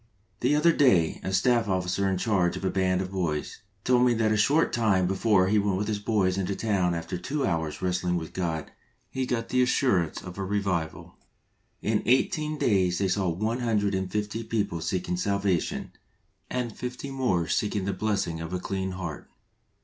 Tl^e other day, a Staff Officer in charge of a band of boys, told me that a short time before he went with his boys into a town that after two hours' wrestling with God he got the assurance of a revival. In eighteen days they saw one hundred and fifty people seeking salvation, and fifty more seeking the blessing of a clean heart.